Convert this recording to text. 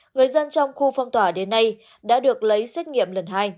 người dân trong khu phong tỏa đến nay đã được lấy xét nghiệm lần hai